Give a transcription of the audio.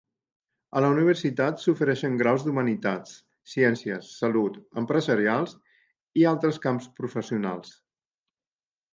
A la universitat s'ofereixen graus d'humanitats, ciències, salut, empresarials i altres camps professionals.